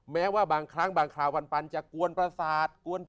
แม้ว่าบางครั้งบางคราวปันจะกวนประสาท